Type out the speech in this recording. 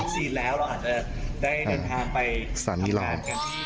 สรรค์ยินต์ออก